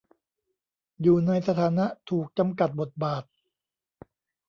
อยู่ในสถานะถูกจำกัดบทบาท